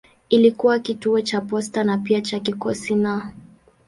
Ilikuwa kituo cha posta na pia cha kikosi na.